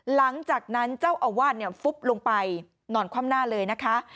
หลังจากนั้นเจ้าอาวาสฟุบลงไปนอนคว่ำหน้าเลยนะคะ